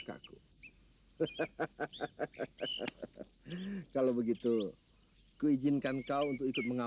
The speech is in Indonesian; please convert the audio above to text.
sampai jumpa di video selanjutnya